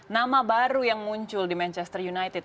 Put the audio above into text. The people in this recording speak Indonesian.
nama baru yang muncul di manchester united